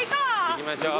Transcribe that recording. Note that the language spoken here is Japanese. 行きましょう。